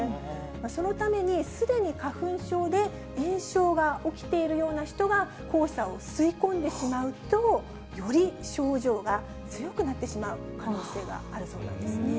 そのために、すでに花粉症で炎症が起きているような人が、黄砂を吸い込んでしまうと、より症状が強くなってしまう可能性があるそうなんですね。